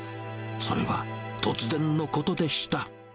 それは突然のことでした。